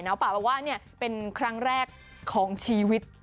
แล้วป๊าว่าเนี่ยเป็นครั้งแรกของชีวิต